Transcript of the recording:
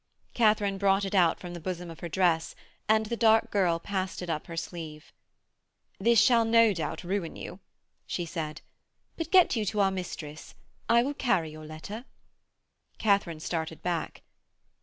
Katharine brought it out from the bosom of her dress, and the dark girl passed it up her sleeve. 'This shall no doubt ruin you,' she said. 'But get you to our mistress. I will carry your letter.' Katharine started back.